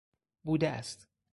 بوده است